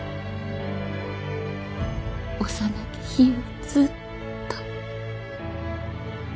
幼き日よりずっと。